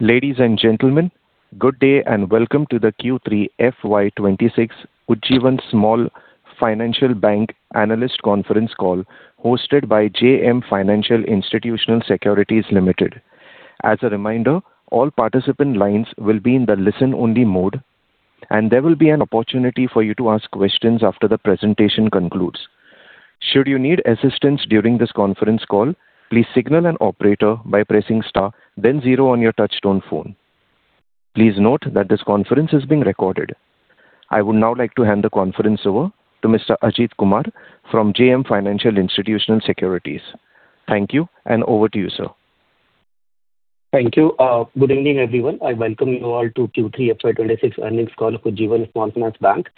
Ladies and gentlemen, good day and welcome to the Q3FY26 Ujjivan Small Finance Bank Analyst Conference call hosted by JM Financial Institutional Securities Limited. As a reminder, all participant lines will be in the listen-only mode, and there will be an opportunity for you to ask questions after the presentation concludes. Should you need assistance during this conference call, please signal an operator by pressing * then zero on your touch-tone phone. Please note that this conference is being recorded. I would now like to hand the conference over to Mr. Ajit Kumar from JM Financial Institutional Securities. Thank you, and over to you, sir. Thank you. Good evening, everyone. I welcome you all to Q3FY26 earnings call of Ujjivan Small Finance Bank.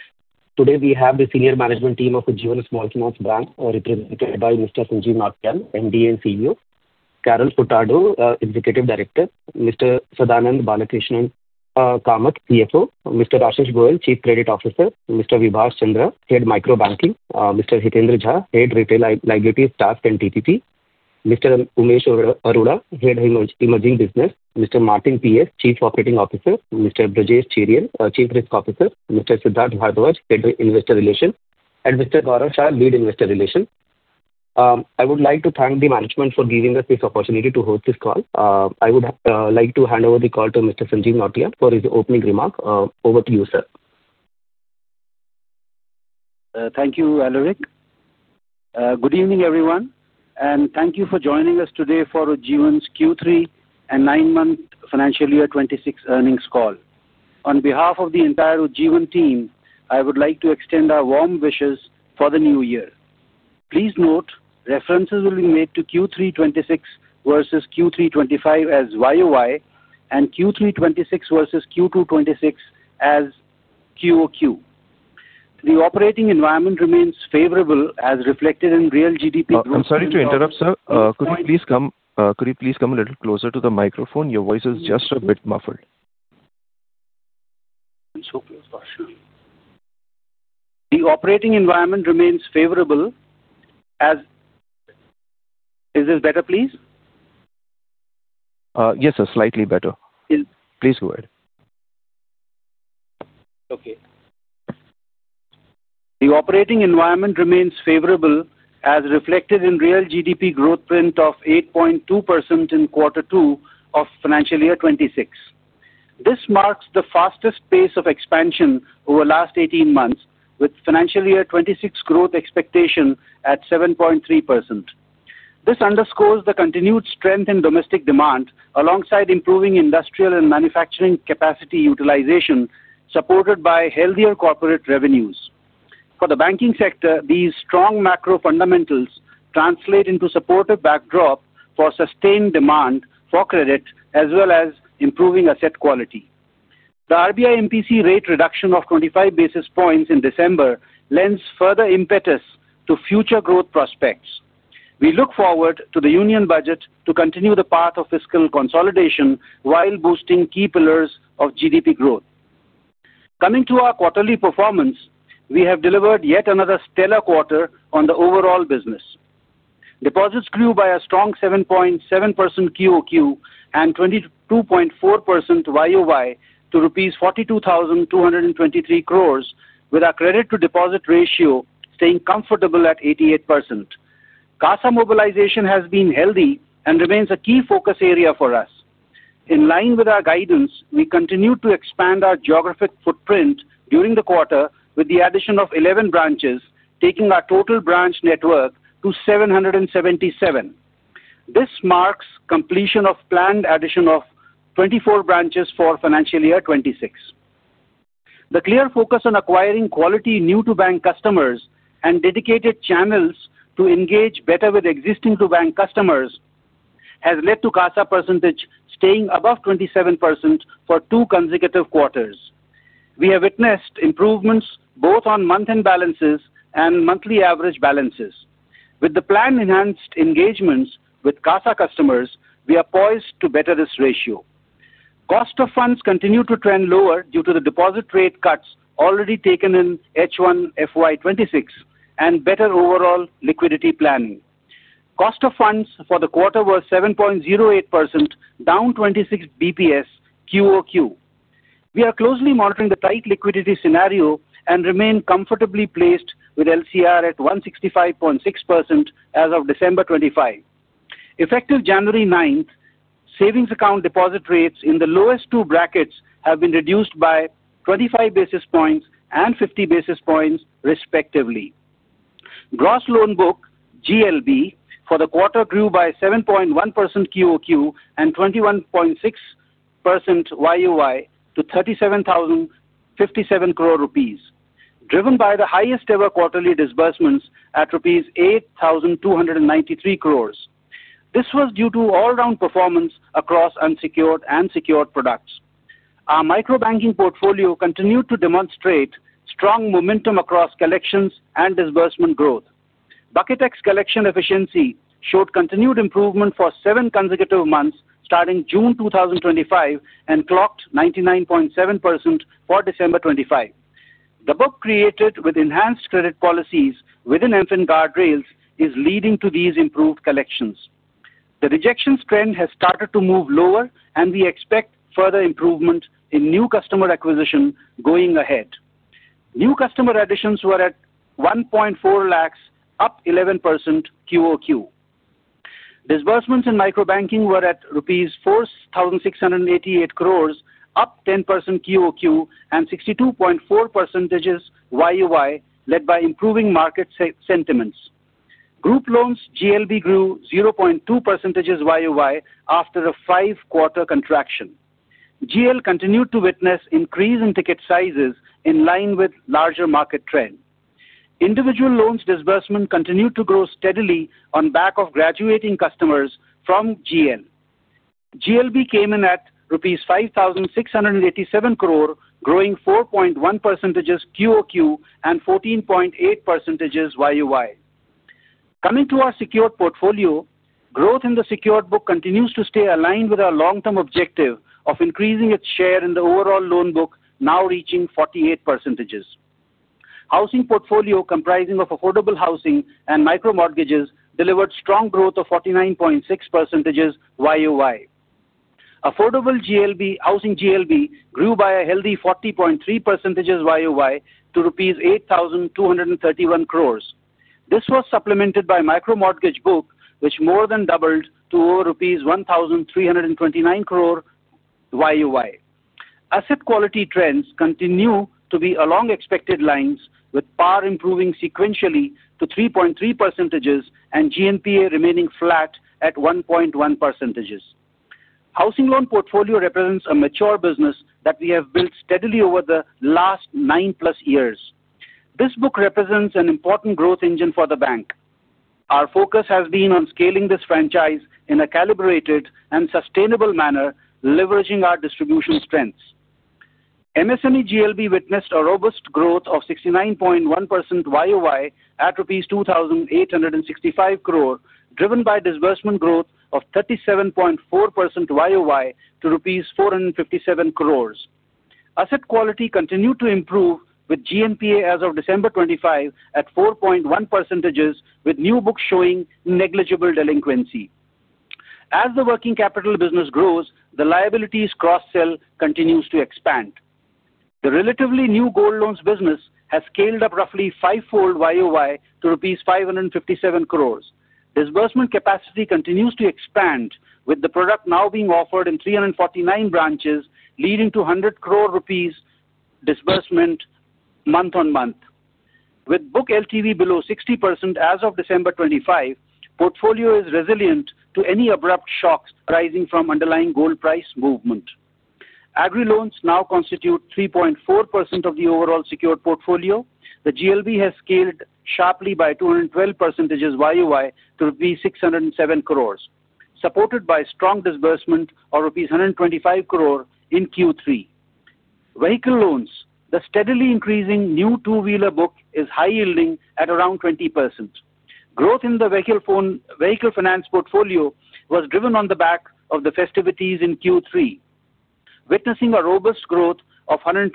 Today, we have the senior management team of Ujjivan Small Finance Bank, represented by Mr. Sanjeev Nautiyal, MD and CEO, Carol Furtado, Executive Director, Mr. Sadanand Venkatramana, CFO, Mr. Ashish Goel, Chief Credit Officer, Mr. Vibhas Chandra, Head Microbanking, Mr. Hitendra Jha, Head Retail Liabilities, TASC and TPP, Mr. Umesh A., Head Emerging Business, Mr. Martin P. S., Chief Operating Officer, Mr. Brajesh Cherian, Chief Risk Officer, Mr. Siddharth Bhardwaj, Head Investor Relations, and Mr. Gaurav Shah, Lead Investor Relations. I would like to thank the management for giving us this opportunity to host this call. I would like to hand over the call to Mr. Sanjeev Nautiyal for his opening remark. Over to you, sir. Thank you, Alaric. Good evening, everyone, and thank you for joining us today for Ujjivan's Q3 and 9-month Financial Year 26 earnings call. On behalf of the entire Ujjivan team, I would like to extend our warm wishes for the new year. Please note, references will be made to Q326 versus Q325 as YOY and Q326 versus Q226 as QOQ. The operating environment remains favorable, as reflected in real GDP. I'm sorry to interrupt, sir. Could you please come a little closer to the microphone? Your voice is just a bit muffled. I'm so close, Ash. The operating environment remains favorable as. Is this better, please? Yes, sir, slightly better. Please go ahead. Okay. The operating environment remains favorable, as reflected in real GDP growth print of 8.2% in Q2 of Financial Year 26. This marks the fastest pace of expansion over the last 18 months, with Financial Year 26 growth expectation at 7.3%. This underscores the continued strength in domestic demand, alongside improving industrial and manufacturing capacity utilization, supported by healthier corporate revenues. For the banking sector, these strong macro fundamentals translate into supportive backdrop for sustained demand for credit, as well as improving asset quality. The RBI MPC rate reduction of 25 basis points in December lends further impetus to future growth prospects. We look forward to the union budget to continue the path of fiscal consolidation while boosting key pillars of GDP growth. Coming to our quarterly performance, we have delivered yet another stellar quarter on the overall business. Deposits grew by a strong 7.7% QOQ and 22.4% YOY to INR 42,223 crores, with our credit-to-deposit ratio staying comfortable at 88%. CASA mobilization has been healthy and remains a key focus area for us. In line with our guidance, we continued to expand our geographic footprint during the quarter, with the addition of 11 branches, taking our total branch network to 777. This marks completion of planned addition of 24 branches for Financial Year 2026. The clear focus on acquiring quality new-to-bank customers and dedicated channels to engage better with existing-to-bank customers has led to CASA percentage staying above 27% for two consecutive quarters. We have witnessed improvements both on month-end balances and monthly average balances. With the planned enhanced engagements with CASA customers, we are poised to better this ratio. Cost of funds continue to trend lower due to the deposit rate cuts already taken in H1FY26 and better overall liquidity planning. Cost of funds for the quarter was 7.08%, down 26 basis points QOQ. We are closely monitoring the tight liquidity scenario and remain comfortably placed with LCR at 165.6% as of December 25. Effective January 9, savings account deposit rates in the lowest two brackets have been reduced by 25 basis points and 50 basis points, respectively. Gross loan book (GLB) for the quarter grew by 7.1% QOQ and 21.6% YOY to Rs 37,057 crores, driven by the highest-ever quarterly disbursements at Rs 8,293 crores. This was due to all-round performance across unsecured and secured products. Our microbanking portfolio continued to demonstrate strong momentum across collections and disbursement growth. BucketEx collection efficiency showed continued improvement for seven consecutive months starting June 2025 and clocked 99.7% for December 25. The book created with enhanced credit policies within MFIN Guardrails is leading to these improved collections. The rejection trend has started to move lower, and we expect further improvement in new customer acquisition going ahead. New customer additions were at 1.4 lakhs, up 11% QOQ. Disbursements in microbanking were at rupees 4,688 crores, up 10% QOQ and 62.4% YOY, led by improving market sentiments. Group loans (GLB) grew 0.2% YOY after a five-quarter contraction. GL continued to witness increase in ticket sizes in line with larger market trend. Individual loans disbursement continued to grow steadily on back of graduating customers from GL. GLB came in at rupees 5,687 crore, growing 4.1% QOQ and 14.8% YOY. Coming to our secured portfolio, growth in the secured book continues to stay aligned with our long-term objective of increasing its share in the overall loan book, now reaching 48%. Housing portfolio comprising of affordable housing and micro-mortgages delivered strong growth of 49.6% YOY. Affordable housing (GLB) grew by a healthy 40.3% YOY to rupees 8,231 crores. This was supplemented by micro-mortgage book, which more than doubled to rupees 1,329 crore YOY. Asset quality trends continue to be along expected lines, with PAR improving sequentially to 3.3% and GNPA remaining flat at 1.1%. Housing loan portfolio represents a mature business that we have built steadily over the last nine-plus years. This book represents an important growth engine for the bank. Our focus has been on scaling this franchise in a calibrated and sustainable manner, leveraging our distribution strengths. MSME GLB witnessed a robust growth of 69.1% YOY at rupees 2,865 crore, driven by disbursement growth of 37.4% YOY to rupees 457 crores. Asset quality continued to improve, with GNPA as of December 25 at 4.1%, with new books showing negligible delinquency. As the working capital business grows, the liabilities cross-sell continues to expand. The relatively new gold loans business has scaled up roughly fivefold YOY to Rs 557 crores. Disbursement capacity continues to expand, with the product now being offered in 349 branches, leading to Rs 100 crore disbursement month-on-month. With book LTV below 60% as of December 25, the portfolio is resilient to any abrupt shocks arising from underlying gold price movement. Agri loans now constitute 3.4% of the overall secured portfolio. The GLB has scaled sharply by 212% YOY to Rs 607 crores, supported by strong disbursement of Rs 125 crore in Q3. Vehicle loans: the steadily increasing new two-wheeler book is high-yielding at around 20%. Growth in the vehicle finance portfolio was driven on the back of the festivities in Q3, witnessing a robust growth of 120%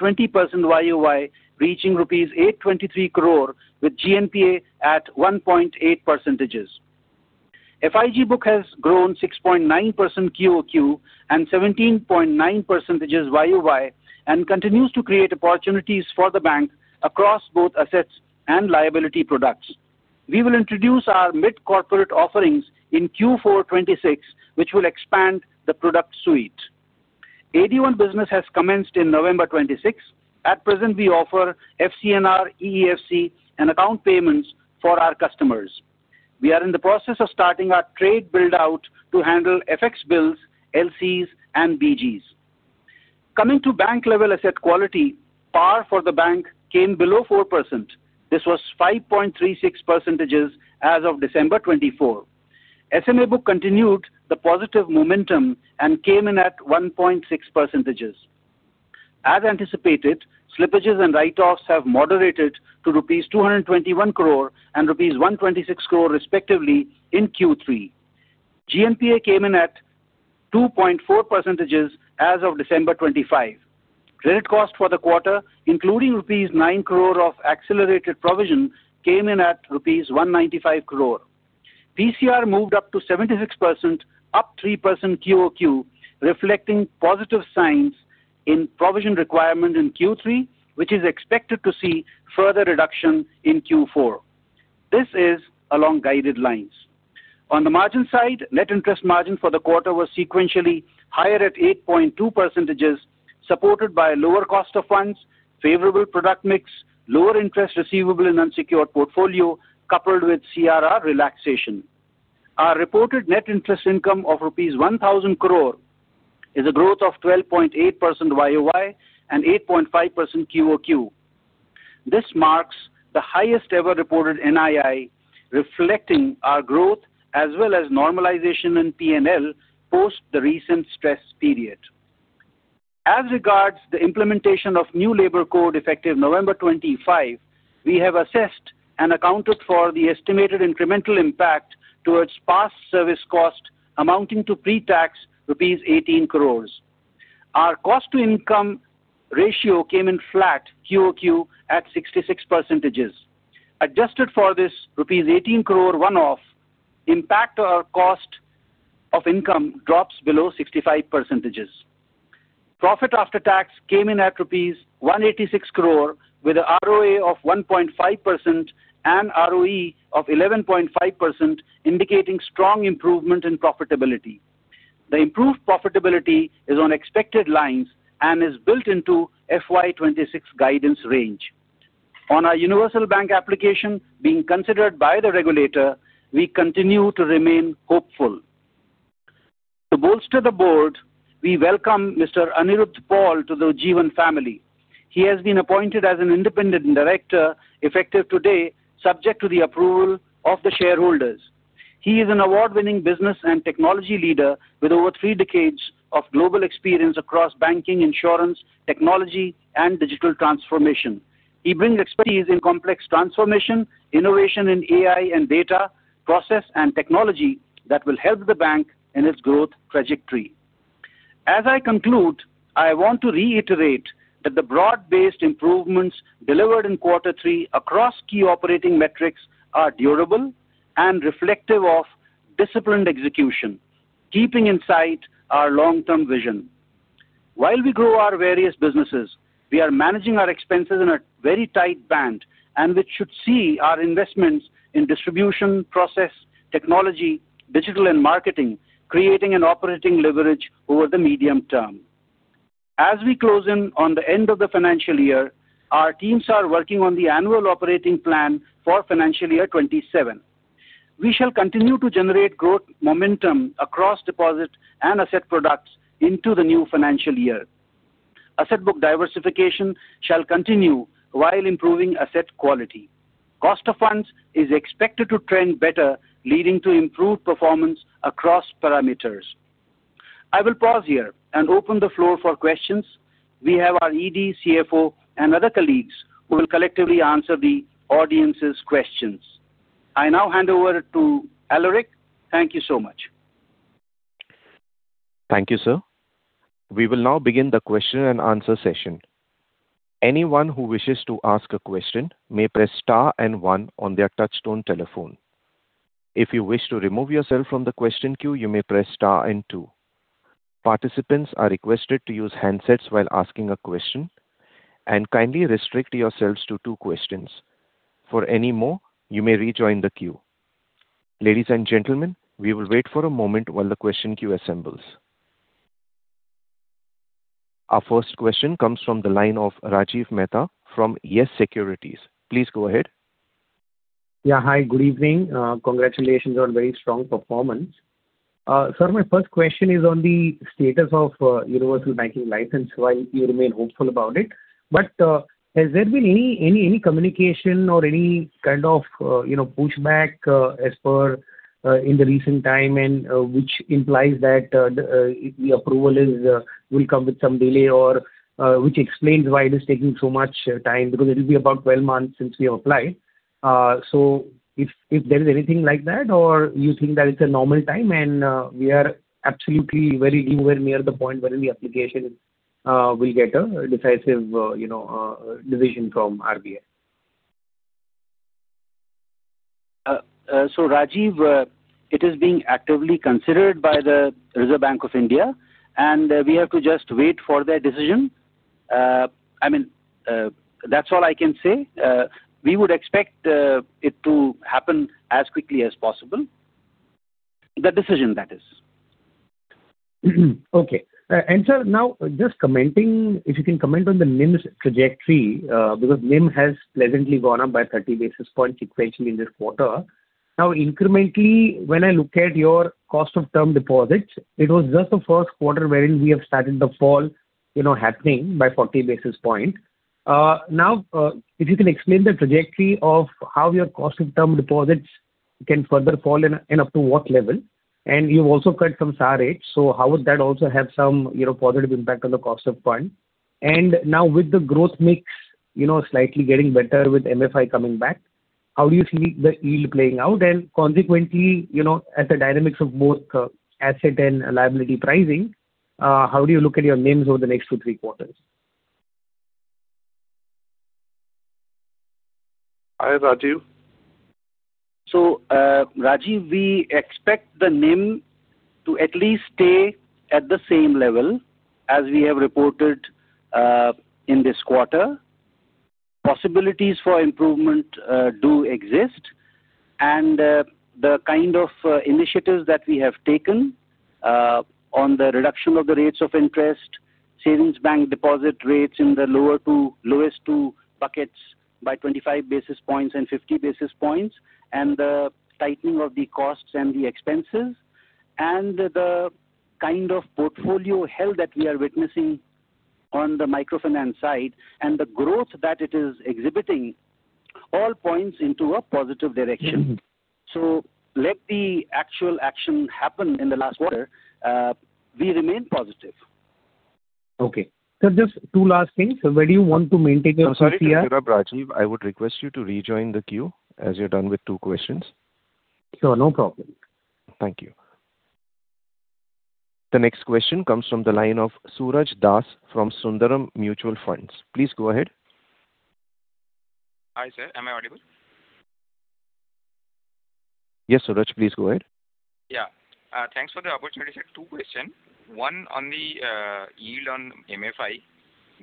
YOY, reaching rupees 823 crore, with GNPA at 1.8%. FIG book has grown 6.9% QOQ and 17.9% YOY and continues to create opportunities for the bank across both assets and liability products. We will introduce our mid-corporate offerings in Q4 2026, which will expand the product suite. AD1 business has commenced in November 2026. At present, we offer FCNR, EEFC, and account payments for our customers. We are in the process of starting our trade build-out to handle FX bills, LCs, and BGs. Coming to bank-level asset quality, PAR for the bank came below 4%. This was 5.36% as of December 2024. SMA book continued the positive momentum and came in at 1.6%. As anticipated, slippages and write-offs have moderated to Rs 221 crore and Rs 126 crore, respectively, in Q3. GNPA came in at 2.4% as of December 25. Credit cost for the quarter, including Rs 9 crore of accelerated provision, came in at Rs 195 crore. PCR moved up to 76%, up 3% QOQ, reflecting positive signs in provision requirement in Q3, which is expected to see further reduction in Q4. This is along guided lines. On the margin side, net interest margin for the quarter was sequentially higher at 8.2%, supported by a lower cost of funds, favorable product mix, lower interest receivable in unsecured portfolio, coupled with CRR relaxation. Our reported net interest income of Rs 1,000 crore is a growth of 12.8% YOY and 8.5% QOQ. This marks the highest-ever reported NII, reflecting our growth as well as normalization in P&L post the recent stress period. As regards the implementation of new labor code effective November 25, we have assessed and accounted for the estimated incremental impact towards past service cost amounting to pre-tax rupees 18 crores. Our cost-to-income ratio came in flat QOQ at 66%. Adjusted for this rupees 18 crore one-off, impact of our cost of income drops below 65%. Profit after tax came in at rupees 186 crore, with an ROA of 1.5% and ROE of 11.5%, indicating strong improvement in profitability. The improved profitability is on expected lines and is built into FY26 guidance range. On our universal bank application being considered by the regulator, we continue to remain hopeful. To bolster the board, we welcome Mr. Aniruddh Paul to the Ujjivan family. He has been appointed as an independent director effective today, subject to the approval of the shareholders. He is an award-winning business and technology leader with over three decades of global experience across banking, insurance, technology, and digital transformation. He brings expertise in complex transformation, innovation in AI and data process, and technology that will help the bank in its growth trajectory. As I conclude, I want to reiterate that the broad-based improvements delivered in Quarter Three across key operating metrics are durable and reflective of disciplined execution, keeping in sight our long-term vision. While we grow our various businesses, we are managing our expenses in a very tight band, and we should see our investments in distribution process, technology, digital, and marketing creating an operating leverage over the medium term. As we close in on the end of the financial year, our teams are working on the annual operating plan for financial year 2027. We shall continue to generate growth momentum across deposit and asset products into the new financial year. Asset book diversification shall continue while improving asset quality. Cost of funds is expected to trend better, leading to improved performance across parameters. I will pause here and open the floor for questions. We have our ED, CFO, and other colleagues who will collectively answer the audience's questions. I now hand over to Alaric. Thank you so much. Thank you, sir. We will now begin the question and answer session. Anyone who wishes to ask a question may press Star and One on their touch-tone telephone. If you wish to remove yourself from the question queue, you may press Star and Two. Participants are requested to use handsets while asking a question and kindly restrict yourselves to two questions. For any more, you may rejoin the queue. Ladies and gentlemen, we will wait for a moment while the question queue assembles. Our first question comes from the line of Rajiv Mehta from Yes Securities. Please go ahead. Yeah, hi. Good evening. Congratulations on very strong performance. Sir, my first question is on the status of universal banking license while you remain hopeful about it. But has there been any communication or any kind of pushback as per in the recent time, which implies that the approval will come with some delay, or which explains why it is taking so much time? Because it will be about 12 months since we have applied. So if there is anything like that, or you think that it's a normal time, and we are absolutely very near the point where the application will get a decisive decision from RBI? Rajiv, it is being actively considered by the Reserve Bank of India, and we have to just wait for their decision. I mean, that's all I can say. We would expect it to happen as quickly as possible. The decision, that is. Okay. And sir, now just commenting, if you can comment on the NIM's trajectory, because NIM has pleasantly gone up by 30 basis points sequentially in this quarter. Now, incrementally, when I look at your cost of term deposits, it was just the first quarter wherein we have started the fall happening by 40 basis points. Now, if you can explain the trajectory of how your cost of term deposits can further fall and up to what level. And you've also cut some SAR rates, so how would that also have some positive impact on the cost of fund? And now, with the growth mix slightly getting better with MFI coming back, how do you see the yield playing out? And consequently, with the dynamics of both asset and liability pricing, how do you look at your NIMs over the next two to three quarters? Hi, Rajiv. So, Rajiv, we expect the NIM to at least stay at the same level as we have reported in this quarter. Possibilities for improvement do exist. And the kind of initiatives that we have taken on the reduction of the rates of interest, savings bank deposit rates in the lowest two buckets by 25 basis points and 50 basis points, and the tightening of the costs and the expenses, and the kind of portfolio health that we are witnessing on the microfinance side, and the growth that it is exhibiting, all points to a positive direction. So let the actual action happen in the last quarter. We remain positive. Okay. So just two last things. Where do you want to maintain yourself here? I would request you to rejoin the queue as you're done with two questions. Sure. No problem. Thank you. The next question comes from the line of Suraj Das from Sundaram Mutual Funds. Please go ahead. Hi, sir. Am I audible? Yes, Suraj, please go ahead. Yeah. Thanks for the opportunity to ask two questions. One on the yield on MFI.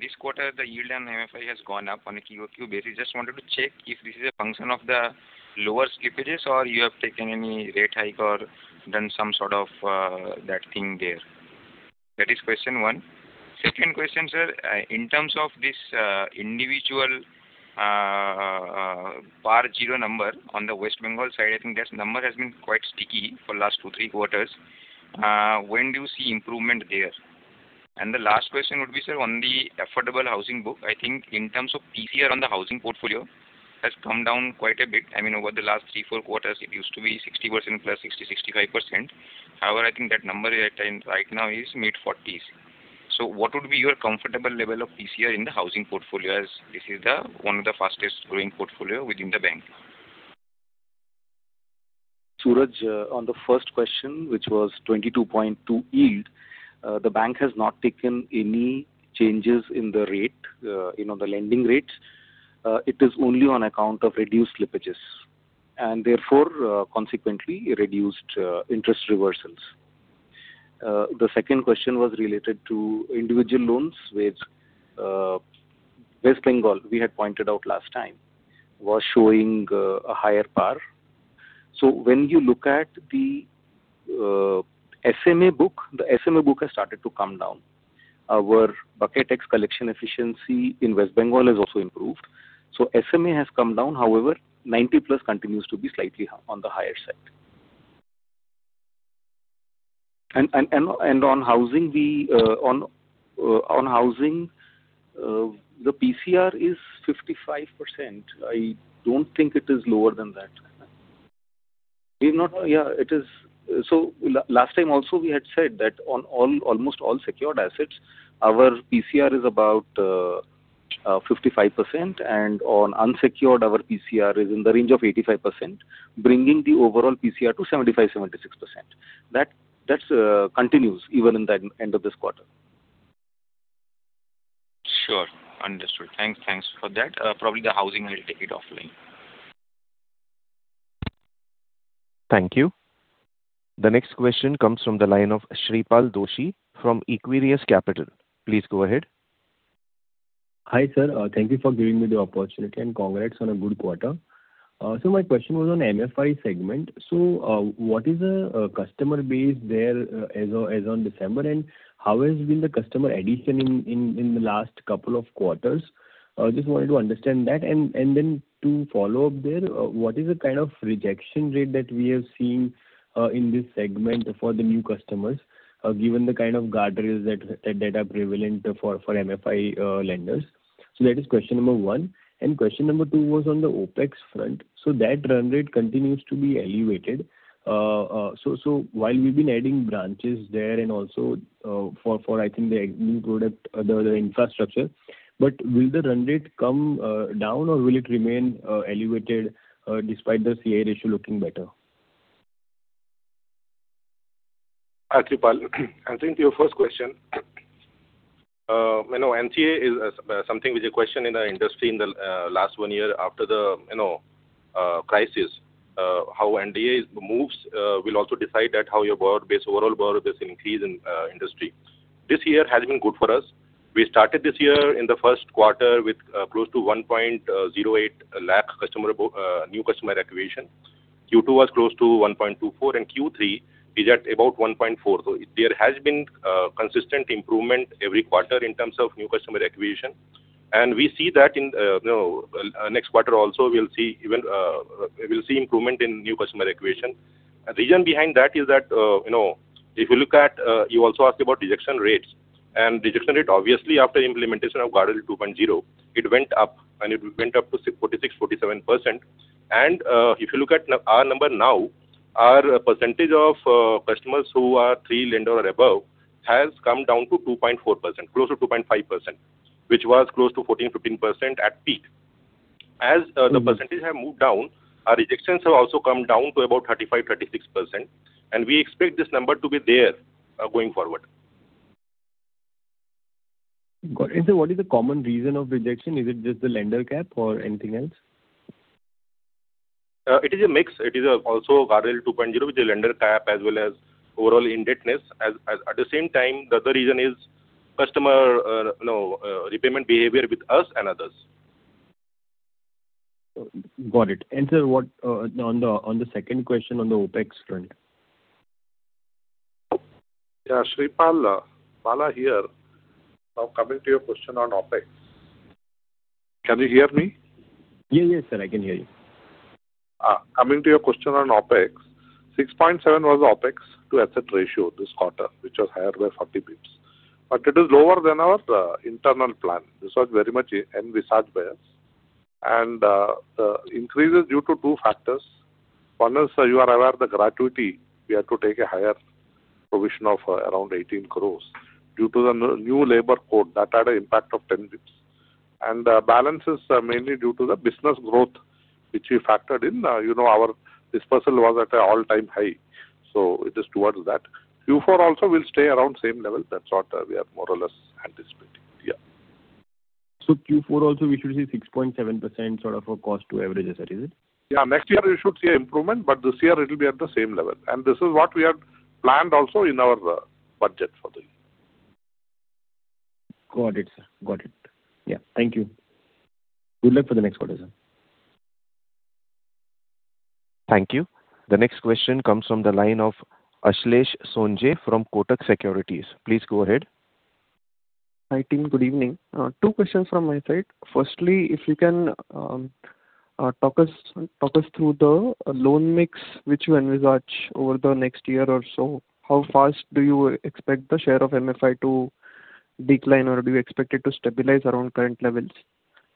This quarter, the yield on MFI has gone up on a QOQ basis. Just wanted to check if this is a function of the lower slippages or you have taken any rate hike or done some sort of that thing there. That is question one. Second question, sir, in terms of this individual PAR zero number on the West Bengal side, I think that number has been quite sticky for the last two to three quarters. When do you see improvement there? And the last question would be, sir, on the affordable housing book. I think in terms of PCR on the housing portfolio, it has come down quite a bit. I mean, over the last three, four quarters, it used to be 60% plus 60, 65%. However, I think that number right now is mid-40s. So what would be your comfortable level of PCR in the housing portfolio as this is one of the fastest growing portfolios within the bank? Suraj, on the first question, which was 22.2 yield, the bank has not taken any changes in the rate, in the lending rates. It is only on account of reduced slippages and therefore consequently reduced interest reversals. The second question was related to individual loans with West Bengal. We had pointed out last time was showing a higher PAR. So when you look at the SMA book, the SMA book has started to come down. Our BucketEx collection efficiency in West Bengal has also improved. So SMA has come down. However, 90-plus continues to be slightly on the higher side. And on housing, the PCR is 55%. I don't think it is lower than that. Yeah. So last time also, we had said that on almost all secured assets, our PCR is about 55%, and on unsecured, our PCR is in the range of 85%, bringing the overall PCR to 75-76%. That continues even in the end of this quarter. Sure. Understood. Thanks. Thanks for that. Probably the housing will take it offline. Thank you. The next question comes from the line of Shripal Doshi from Equirius Securities. Please go ahead. Hi sir. Thank you for giving me the opportunity and congrats on a good quarter. So my question was on MFI segment. So what is the customer base there as of December, and how has been the customer addition in the last couple of quarters? Just wanted to understand that. And then to follow up there, what is the kind of rejection rate that we have seen in this segment for the new customers, given the kind of guardrails that are prevalent for MFI lenders? So that is question number one. And question number two was on the OPEX front. So that run rate continues to be elevated. So while we've been adding branches there and also for, I think, the new product, the infrastructure, but will the run rate come down or will it remain elevated despite the CD ratio looking better? I think your first question. NCA is something which is a question in the industry in the last one year after the crisis. How NPA moves will also decide how your overall borrower base increase in industry. This year has been good for us. We started this year in the first quarter with close to 1.08 lakh new customer acquisition. Q2 was close to 1.24, and Q3 is at about 1.4. So there has been consistent improvement every quarter in terms of new customer acquisition. And we see that in the next quarter also, we'll see improvement in new customer acquisition. The reason behind that is that if you look at, you also asked about rejection rates, and rejection rate, obviously, after implementation of Guardrail 2.0, it went up, and it went up to 46-47%, and if you look at our number now, our percentage of customers who are three lender or above has come down to 2.4%, close to 2.5%, which was close to 14-15% at peak. As the percentage has moved down, our rejections have also come down to about 35-36%, and we expect this number to be there going forward. So what is the common reason of rejection? Is it just the lender cap or anything else? It is a mix. It is also Guardrail 2.0, which is a lender cap as well as overall indebtedness. At the same time, the other reason is customer repayment behavior with us and others. Got it. Sir, on the second question on the OPEX front? Yeah. Shripal here coming to your question on OPEX. Can you hear me? Yeah, yeah, sir. I can hear you. Coming to your question on OPEX, 6.7 was OPEX to asset ratio this quarter, which was higher by 40 basis points. But it is lower than our internal plan. This was very much envisaged by us. And the increase is due to two factors. One is you are aware of the gratuity. We had to take a higher provision of around ₹18 crores due to the new labor code that had an impact of 10 basis points. And the balance is mainly due to the business growth, which we factored in. Our disbursal was at an all-time high. So it is towards that. Q4 also will stay around the same level. That's what we are more or less anticipating. Yeah. So Q4 also, we should see 6.7% sort of a cost to average asset, is it? Yeah. Next year, we should see an improvement, but this year, it will be at the same level. And this is what we have planned also in our budget for the year. Got it, sir. Got it. Yeah. Thank you. Good luck for the next quarter, sir. Thank you. The next question comes from the line of Ashlesh Sonje from Kotak Securities. Please go ahead. Hi, team. Good evening. Two questions from my side. Firstly, if you can talk us through the loan mix which you envisage over the next year or so, how fast do you expect the share of MFI to decline, or do you expect it to stabilize around current levels?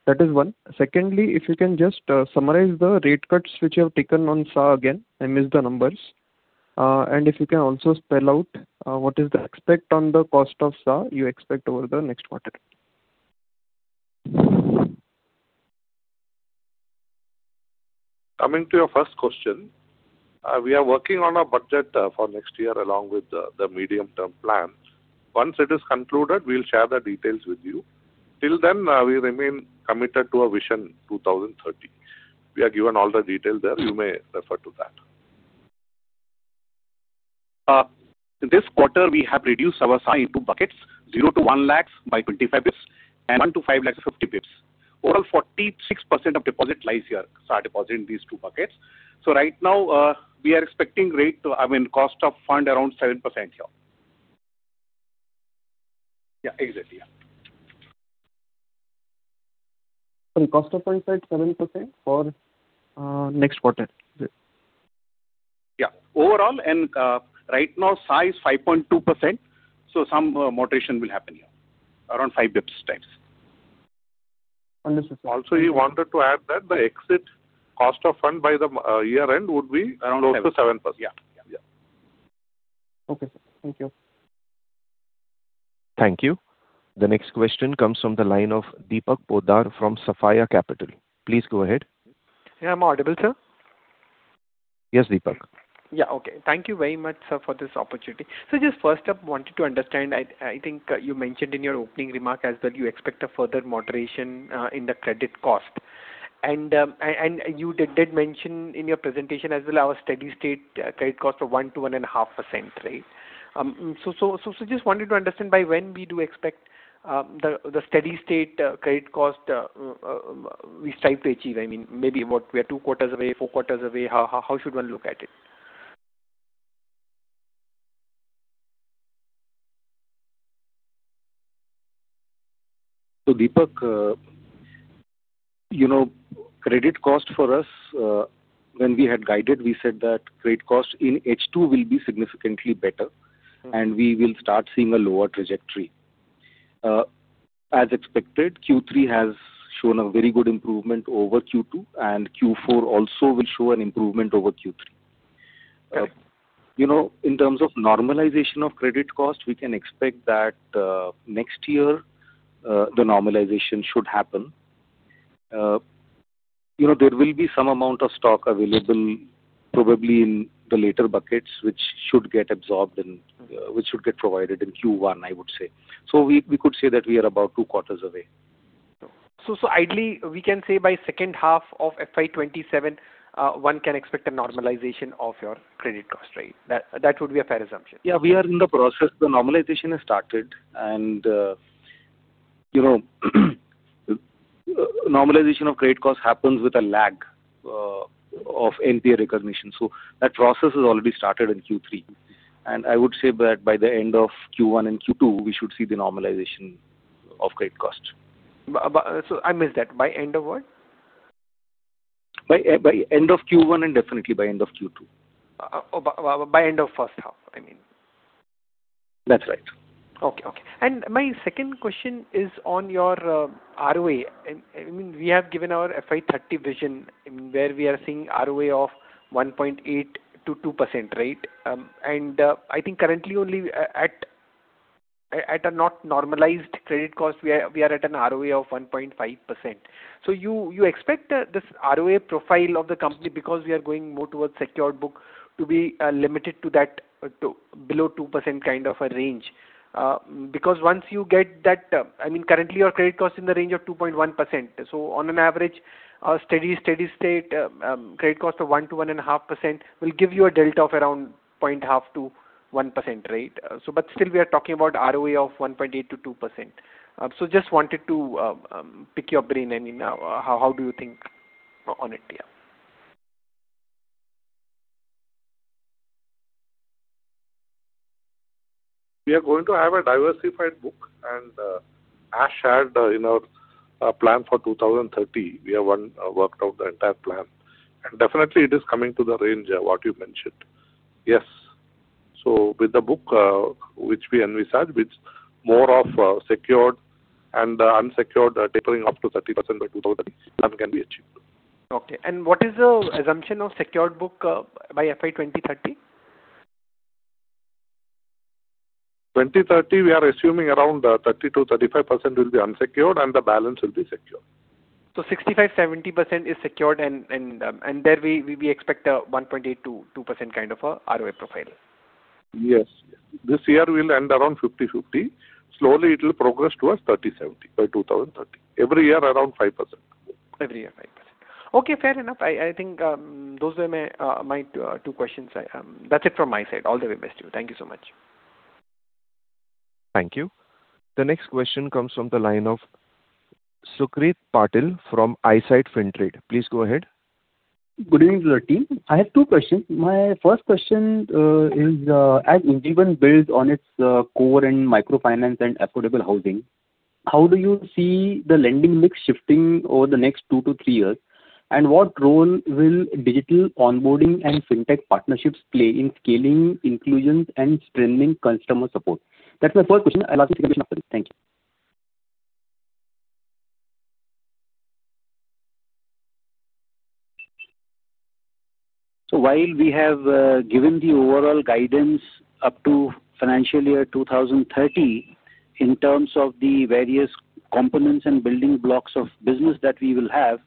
That is one. Secondly, if you can just summarize the rate cuts which you have taken on SAR again. I missed the numbers. If you can also spell out what is the expectation on the cost of SAR you expect over the next quarter. Coming to your first question, we are working on our budget for next year along with the medium-term plan. Once it is concluded, we'll share the details with you. Till then, we remain committed to a vision 2030. We are given all the details there. You may refer to that. This quarter, we have reduced our SAR into buckets, 0 to 1 lakh by 25 basis points, and 1 to 5 lakhs of 50 basis points. Overall, 46% of deposit lies here. SAR deposit in these two buckets. So right now, we are expecting rate, I mean, cost of fund around 7% here. Yeah, exactly. So the cost of fund is at 7% for next quarter? Yeah. Overall, and right now, SAR is 5.2%. So some moderation will happen here, around 5 basis points times. Understood. Also, we wanted to add that the exit cost of funds by the year-end would be around 7%. Yeah. Yeah. Okay, sir. Thank you. Thank you. The next question comes from the line of Deepak Poddar from Sapphire Capital. Please go ahead. Yeah. I'm audible, sir? Yes, Deepak. Yeah. Okay. Thank you very much, sir, for this opportunity. So just first up, wanted to understand, I think you mentioned in your opening remark as well you expect a further moderation in the credit cost. And you did mention in your presentation as well our steady-state credit cost for 1%-1.5% rate. So just wanted to understand by when we do expect the steady-state credit cost we strive to achieve. I mean, maybe what we are two quarters away, four quarters away, how should one look at it? So Deepak, credit cost for us, when we had guided, we said that credit cost in H2 will be significantly better, and we will start seeing a lower trajectory. As expected, Q3 has shown a very good improvement over Q2, and Q4 also will show an improvement over Q3. In terms of normalization of credit cost, we can expect that next year the normalization should happen. There will be some amount of stock available probably in the later buckets, which should get absorbed and which should get provided in Q1, I would say. So we could say that we are about two quarters away. So ideally, we can say by second half of FY27, one can expect a normalization of your credit cost, right? That would be a fair assumption. Yeah. We are in the process. The normalization has started. Normalization of credit cost happens with a lag of NPA recognition. So that process has already started in Q3. And I would say that by the end of Q1 and Q2, we should see the normalization of credit cost. So I missed that. By end of what? By end of Q1 and definitely by end of Q2. By end of first half, I mean. That's right. Okay. Okay. My second question is on your ROA. I mean, we have given our FY30 vision where we are seeing ROA of 1.8-2%, right? And I think currently only at a not normalized credit cost, we are at an ROA of 1.5%. So you expect this ROA profile of the company because we are going more towards secured book to be limited to that below 2% kind of a range? Because once you get that, I mean, currently your credit cost is in the range of 2.1%. So on an average, steady, steady-state credit cost of 1%-1.5% will give you a delta of around 0.5%-1%, right? But still, we are talking about ROA of 1.8%-2%. So just wanted to pick your brain. I mean, how do you think on it? Yeah. We are going to have a diversified book. And as shared in our plan for 2030, we have worked out the entire plan. And definitely, it is coming to the range of what you mentioned. Yes. So with the book which we envisage, which is more of secured and unsecured tapering up to 30% by. Then can be achieved. Okay. And what is the assumption of secured book by FY2030? 2030, we are assuming around 30%-35% will be unsecured, and the balance will be secured. So 65%-70% is secured, and there we expect a 1.8%-2% kind of ROA profile. Yes. This year will end around 50/50. Slowly, it will progress towards 30/70 by 2030. Every year around 5%. Every year 5%. Okay. Fair enough. I think those were my two questions. That's it from my side. All the very best to you. Thank you so much. Thank you. The next question comes from the line of Sukrit Patil from Isight Fintrade. Please go ahead. Good evening to the team. I have two questions. My first question is, as Ujjivan builds on its core and microfinance and affordable housing, how do you see the lending mix shifting over the next two to three years? What role will digital onboarding and fintech partnerships play in scaling, inclusion, and strengthening customer support? That's my first question. I'll ask you a few questions after this. Thank you. So while we have given the overall guidance up to financial year 2030 in terms of the various components and building blocks of business that we will have,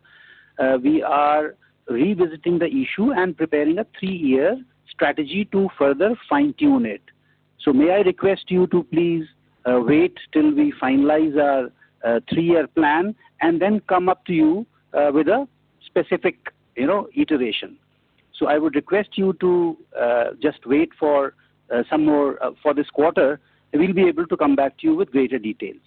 we are revisiting the issue and preparing a three-year strategy to further fine-tune it. So may I request you to please wait till we finalize our three-year plan and then come up to you with a specific iteration? So I would request you to just wait for some more for this quarter. We'll be able to come back to you with greater details.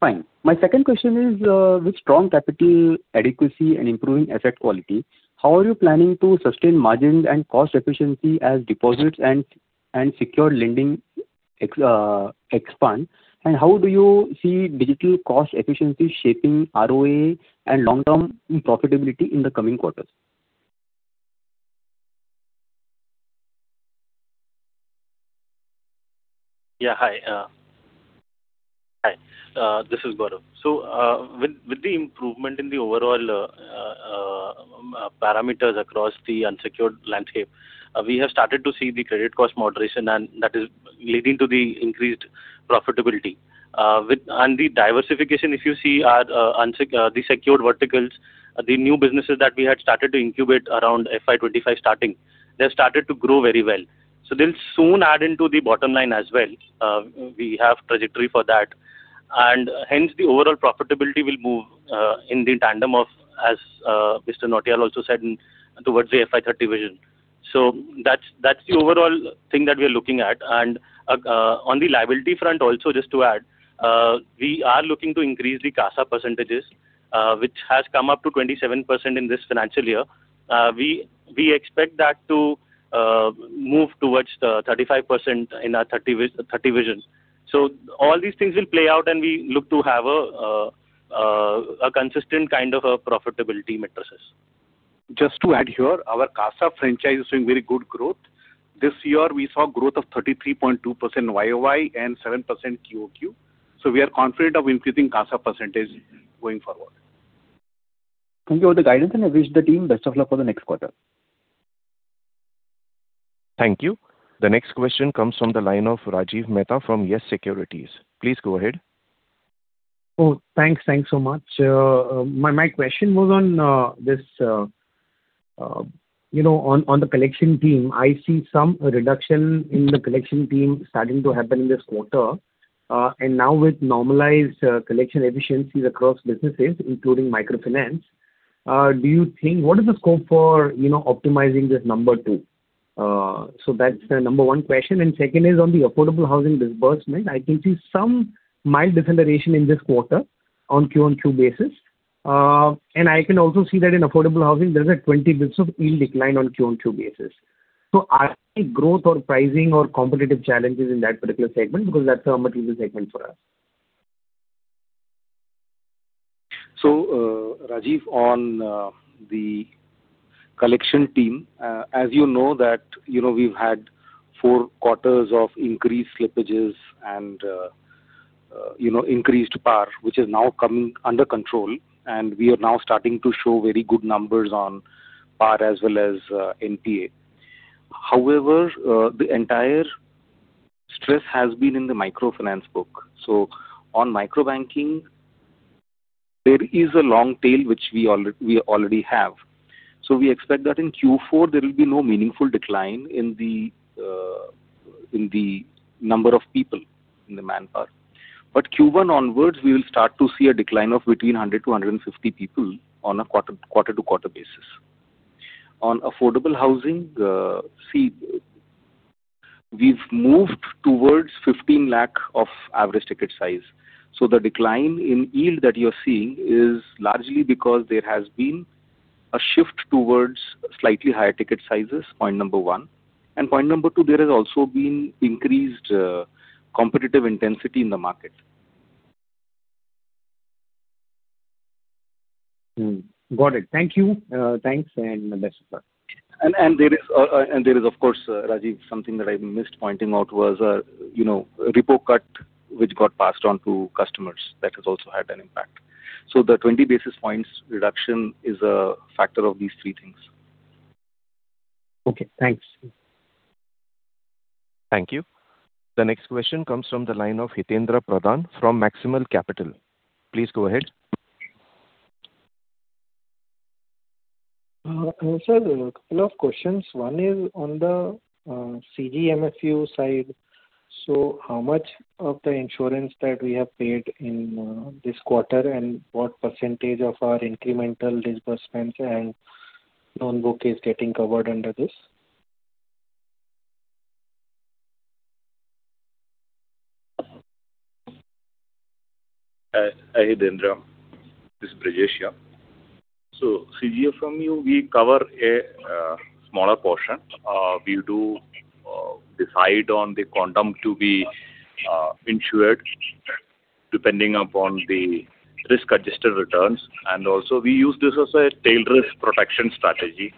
Fine. My second question is with strong capital adequacy and improving asset quality, how are you planning to sustain margins and cost efficiency as deposits and secured lending expand? And how do you see digital cost efficiency shaping ROA and long-term profitability in the coming quarters? Yeah. Hi. Hi. This is Gaurav. So with the improvement in the overall parameters across the unsecured landscape, we have started to see the credit cost moderation, and that is leading to the increased profitability. And the diversification, if you see the secured verticals, the new businesses that we had started to incubate around FY25 starting, they have started to grow very well. So they'll soon add into the bottom line as well. We have trajectory for that. And hence, the overall profitability will move in the tandem of, as Mr. Nautiyal also said, towards the FY30 vision. That's the overall thing that we are looking at. On the liability front also, just to add, we are looking to increase the CASA percentages, which has come up to 27% in this financial year. We expect that to move towards 35% in our long-term vision. All these things will play out, and we look to have a consistent kind of profitability metrics. Just to add here, our CASA franchise is showing very good growth. This year, we saw growth of 33.2% YOY and 7% QOQ. We are confident of increasing CASA percentage going forward. Thank you for the guidance, and I wish the team best of luck for the next quarter. Thank you. The next question comes from the line of Rajiv Mehta from Yes Securities. Please go ahead. Oh, thanks. Thanks so much. My question was on the collection team. I see some reduction in the collection team starting to happen in this quarter. And now, with normalized collection efficiencies across businesses, including microfinance, do you think what is the scope for optimizing this number to? So that's the number one question. And second is on the affordable housing disbursement, I can see some mild deceleration in this quarter on Q on Q basis. And I can also see that in affordable housing, there is a 20 basis points of yield decline on Q on Q basis. So are there any growth or pricing or competitive challenges in that particular segment? Because that's a material segment for us. So Rajiv, on the collection team, as you know that we've had four quarters of increased slippages and increased PAR, which is now coming under control. And we are now starting to show very good numbers on PAR as well as NPA. However, the entire stress has been in the microfinance book. So on microbanking, there is a long tail which we already have. So we expect that in Q4, there will be no meaningful decline in the number of people in the manpower. But Q1 onwards, we will start to see a decline of between 100 to 150 people on a quarter-to-quarter basis. On affordable housing, see, we've moved towards ₹15 lakh of average ticket size. So the decline in yield that you're seeing is largely because there has been a shift towards slightly higher ticket sizes, point number one. And point number two, there has also been increased competitive intensity in the market. Got it. Thank you. Thanks and best of luck. And there is, of course, Rajiv, something that I missed pointing out was a repo cut which got passed on to customers. That has also had an impact. So the 20 basis points reduction is a factor of these three things. Okay. Thanks. Thank you. The next question comes from the line of Hithendra Pradhan from Maximal Capital. Please go ahead. Sir, a couple of questions. One is on the CGFMU side. So how much of the insurance that we have paid in this quarter and what percentage of our incremental disbursements and loan book is getting covered under this? Hithendra, this is Brajesh here. So CGFMU, we cover a smaller portion. We do decide on the quantum to be insured depending upon the risk-adjusted returns. And also, we use this as a tail risk protection strategy.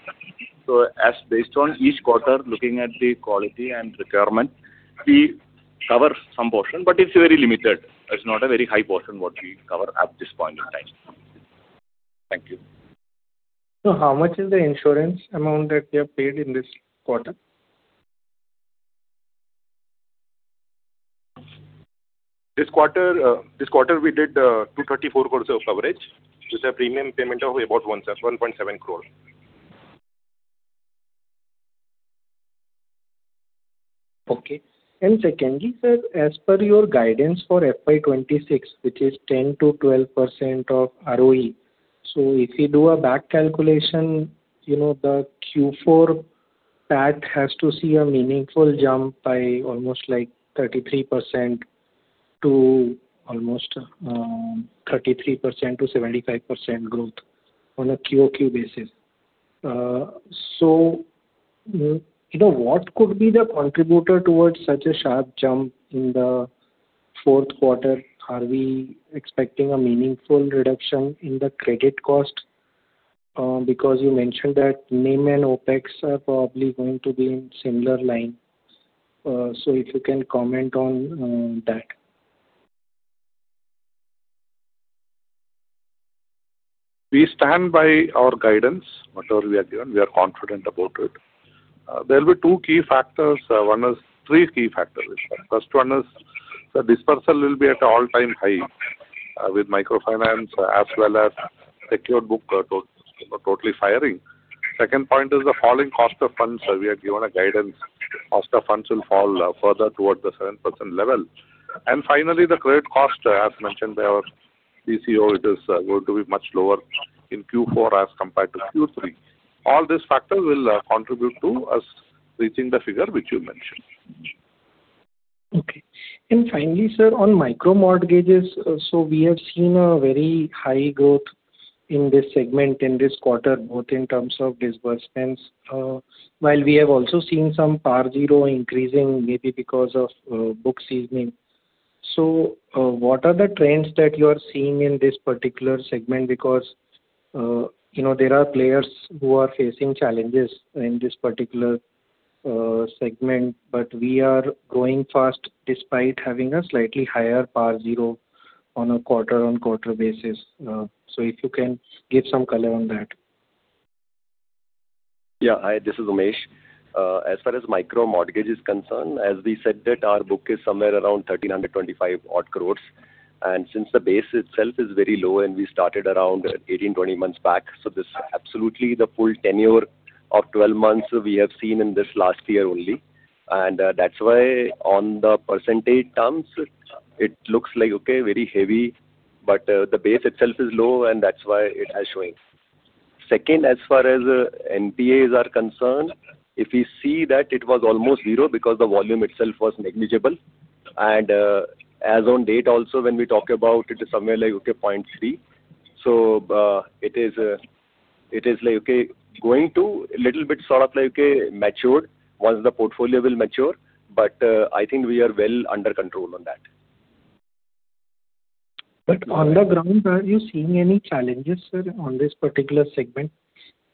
So based on each quarter, looking at the quality and requirement, we cover some portion, but it's very limited. It's not a very high portion what we cover at this point in time. Thank you. So how much is the insurance amount that we have paid in this quarter? This quarter, we did ₹234 crores of coverage with a premium payment of about ₹1.7 crore. Okay. And secondly, sir, as per your guidance for FY26, which is 10%-12% of ROE, so if you do a back calculation, the Q4 PAT has to see a meaningful jump by almost like 33% to almost 33% to 75% growth on a QOQ basis. So what could be the contributor towards such a sharp jump in the fourth quarter? Are we expecting a meaningful reduction in the credit cost? Because you mentioned that NIM and OPEX are probably going to be in similar line. So if you can comment on that. We stand by our guidance, whatever we are given. We are confident about it. There will be two key factors. One is three key factors. First one is the disbursement will be at an all-time high with microfinance as well as secured book totally firing. Second point is the falling cost of funds. We are given a guidance. Cost of funds will fall further towards the 7% level. And finally, the credit cost, as mentioned by our CCO, it is going to be much lower in Q4 as compared to Q3. All these factors will contribute to us reaching the figure which you mentioned. Okay. And finally, sir, on micro mortgages, so we have seen a very high growth in this segment in this quarter, both in terms of disbursements, while we have also seen some PAR zero increasing maybe because of book seasoning. So what are the trends that you are seeing in this particular segment? Because there are players who are facing challenges in this particular segment, but we are growing fast despite having a slightly higher PAR zero on a quarter-on-quarter basis. So if you can give some color on that. Yeah. Hi, this is Umesh. As far as micro mortgage is concerned, as we said, our book is somewhere around ₹1,325 odd crores. And since the base itself is very low and we started around 18, 20 months back, so this is absolutely the full tenure of 12 months we have seen in this last year only. And that's why on the percentage terms, it looks like, okay, very heavy, but the base itself is low, and that's why it has shown. Second, as far as NPAs are concerned, if we see that it was almost zero because the volume itself was negligible. As on date also, when we talk about it, it is somewhere like, okay, 0.3. It is like, okay, going to a little bit sort of like matured once the portfolio will mature, but I think we are well under control on that. On the ground, are you seeing any challenges, sir, on this particular segment?